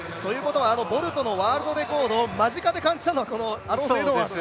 あのボルトのワールドレコードを間近で感じたのはアロンソ・エドワード。